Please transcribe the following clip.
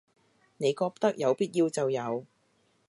你覺得有必要就有